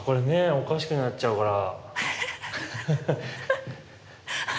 おかしくなっちゃうから。